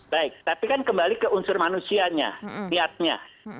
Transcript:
baik tapi kan kembali ke unsur manusianya niatnya